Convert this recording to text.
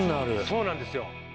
そうなんですよ。